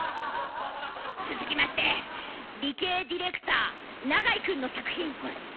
続きまして理系ディレクター永井君の作品。